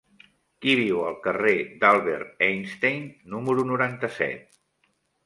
Qui viu al carrer d'Albert Einstein número noranta-set?